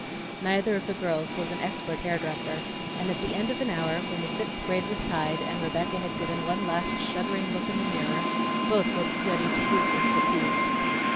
Neither of the girls was an expert hairdresser, and at the end of an hour, when the sixth braid was tied, and Rebecca had given one last shuddering look in the mirror, both were ready to weep with fatigue.